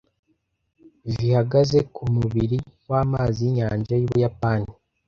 Vihagaze ku mubiri w'amazi y'Inyanja y'Ubuyapani